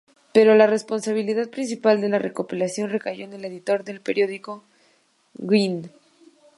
Pero la responsabilidad principal de la recopilación recayó en el editor del periódico, Gwynne.